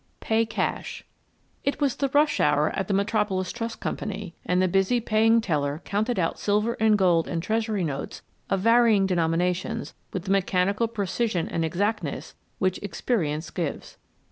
PAY CASH It was the rush hour at the Metropolis Trust Company and the busy paying teller counted out silver and gold and treasury notes of varying denominations with the mechanical precision and exactness which experience gives.